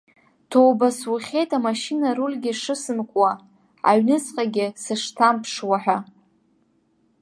Ҭоуба сухьеит амашьына арульгьы шысымкуа, аҩныҵҟагьы сышҭамԥшуа ҳәа.